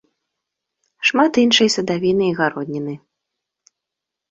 Шмат іншай садавіны і гародніны.